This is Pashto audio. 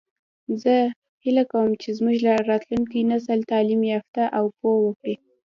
زه هیله کوم چې زموږ راتلونکی نسل تعلیم یافته او پوه وي